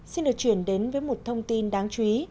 xin được chuyển đến với một thông tin đáng chú ý